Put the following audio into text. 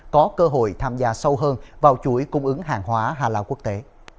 có cơ hội tham gia sâu hơn vào chuỗi cung ứng hàng hóa hala quốc tế